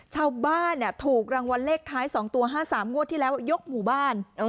ชาวบ้านถูกรางวัลเลขท้าย๒ตัว๕๓งวดที่แล้วยกหมู่บ้าน